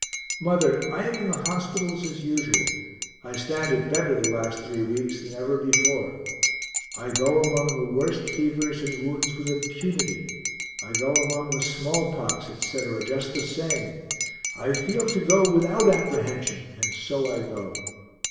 Mother, I am in the hospitals as usual I stand it better the last three weeks than ever before I go among the worst fevers and wounds with impunity. I go among the smallpox, etc., just the same I feel to go without apprehension, and so I go.